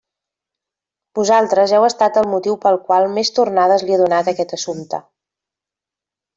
Vosaltres heu estat el motiu pel qual més tornades li he donat a aquest assumpte.